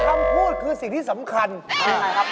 คำพูดคือสิ่งที่สำคัญใช่ครับ